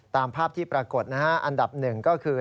ตามภาพที่ปรากฏนะฮะอันดับหนึ่งก็คือ